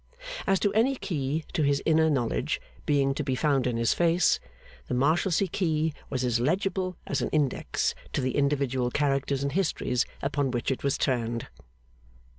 As to any key to his inner knowledge being to be found in his face, the Marshalsea key was as legible as an index to the individual characters and histories upon which it was turned.